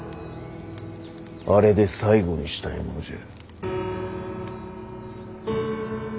あれで最後にしたいものじゃ。